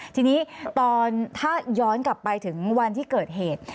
ทีนี้ตอนถ้าย้อนกลับไปถึงวันที่เกิดเหตุ